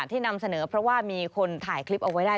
นำเสนอเพราะว่ามีคนถ่ายคลิปเอาไว้ได้